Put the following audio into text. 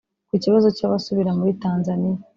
Ku kibazo cy’abasubira muri Tanzania